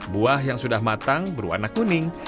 buah yang sudah matang berwarna kuning